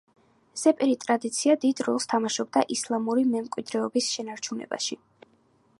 ზეპირი ტრადიცია დიდ როლს თამაშობდა ისლამური მემკვიდრეობის შენარჩუნებაში.